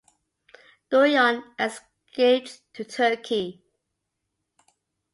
Guyon escaped to Turkey.